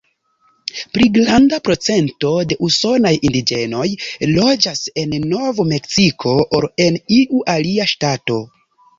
Pli granda procento de usonaj indiĝenoj loĝas en Nov-Meksiko ol en iu alia ŝtato.